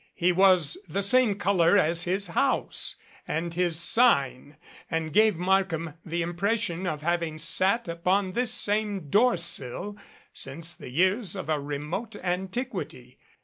He was the same color as his house and his sign and gave Markham the impression of having sat upon this same door sill since the years of a remote antiquity.